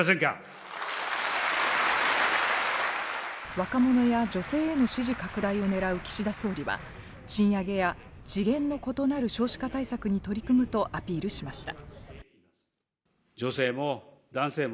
若者や女性への支持拡大を狙う岸田総理は、賃上げや次元の異なる少子化対策に取り組むとアピールしました。